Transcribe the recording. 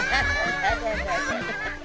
あらららら。